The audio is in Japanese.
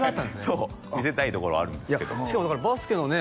そう見せたいところあるんですけどバスケのね